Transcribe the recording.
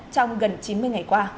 trong gần chín mươi ngày qua